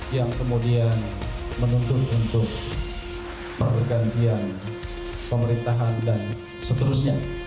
yang kemudian menuntun untuk pergantian pemerintahan dan seterusnya